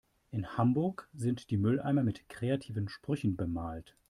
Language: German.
In Hamburg sind die Mülleimer mit kreativen Sprüchen bemalt.